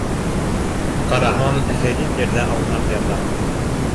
Ҡараһам, Фәрит ерҙә аунап ята.